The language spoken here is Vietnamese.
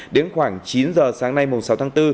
đến khoảng chín h sáng nay sáu tháng năm